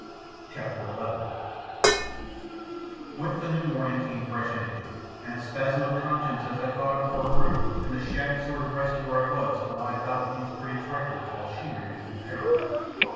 CHAPTER XI With the new morning came fresh energy and a spasm of conscience as I thought of poor Heru and the shabby sort of rescuer I was to lie about with these pretty triflers while she remained in peril.